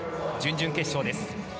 準々決勝です。